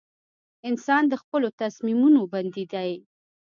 • انسان د خپلو تصمیمونو بندي دی.